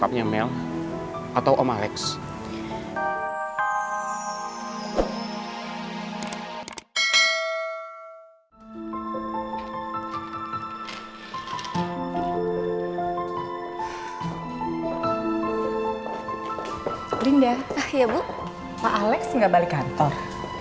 pak alex gak balik kantor